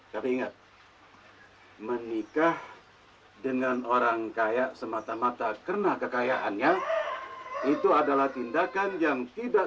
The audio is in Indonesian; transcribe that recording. tapi ingat menikah dengan orang kaya semata mata karena kekayaannya itu adalah tindakan yang tidak